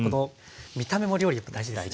見た目も料理って大事ですよね。